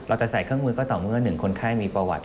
จะใส่เครื่องมือก็ต่อเมื่อ๑คนไข้มีประวัติ